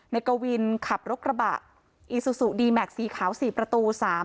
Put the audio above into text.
นายกวินขับรถกระบะอีซูซูดีแม็กซ์สี่ขาวสี่ประตูสาม